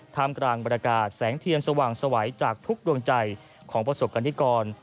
กลางบรรยากาศแสงเทียนสว่างสวัยจากทุกดวงใจของประสบกรณิกร